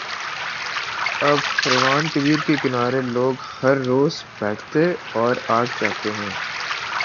آب روان کبیرکے کنارے لوگ ہر روز بیٹھتے اور اٹھ جاتے ہیں۔